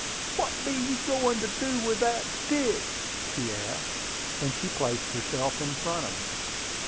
"What be you go'n' to do with that stick?" she asked, as she placed herself in front of me.